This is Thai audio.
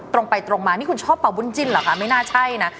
ตรงไปตรงมานี่คุณชอบเป่าบุญจิ้นเหรอคะไม่น่าใช่นะ